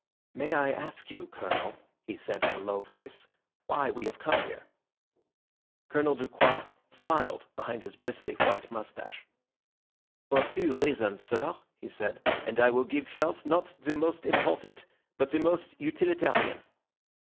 "May I ask you, Colonel," he said in a low voice, "why we have come here?" Colonel Ducroix smiled behind his bristly white moustache. "For two reasons, sir," he said; "and I will give first, not the most important, but the most utilitarian.